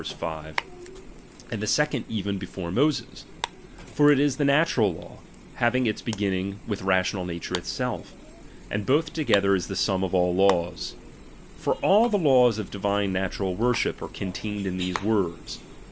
5) J and the second even before Moses; ■be lacmtDfmiL ^^^ j^^ j^ ^^ natural law, having its beginning witi rational nature itself: and both together is the sum of all laws. For all the laws of divine natural worship, are contained in these words.